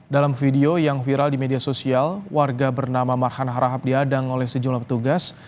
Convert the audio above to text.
dalam video yang viral di media sosial warga bernama marhan harahap diadang oleh sejumlah petugas